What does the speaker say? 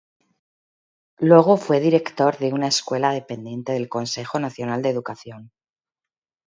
Luego fue director de una escuela dependiente del Consejo Nacional de Educación.